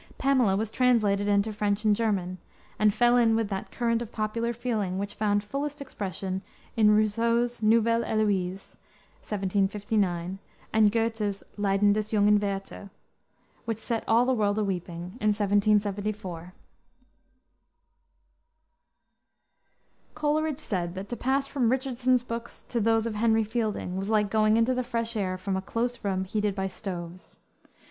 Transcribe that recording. Pamela was translated into French and German, and fell in with that current of popular feeling which found fullest expression in Rousseau's Nouvelle Heloise, 1759, and Goethe's Leiden des Jungen Werther, which set all the world a weeping in 1774. Coleridge said that to pass from Richardson's books to those of Henry Fielding was like going into the fresh air from a close room heated by stoves.